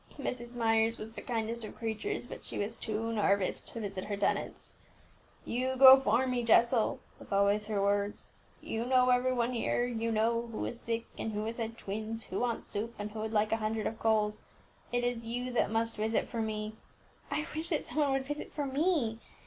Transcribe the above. "Mrs. Myers was the kindest of creatures; but she was too nervous to visit her tenants. 'You go for me, Jessel,' was always her words; 'you know every one here, you know who is sick, and who has had twins, who wants soup, and who would like a hundred of coals. It is you that must visit for me.'" "I wish that some one would visit for me!"